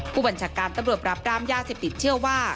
ผู้บัญชาการตำรวจปราบรามยาเสพติดเชื่อว่า